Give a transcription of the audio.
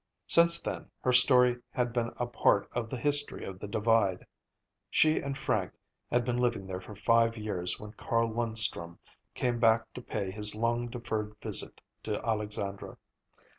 Since then her story had been a part of the history of the Divide. She and Frank had been living there for five years when Carl Linstrum came back to pay his long deferred visit to Alexandra.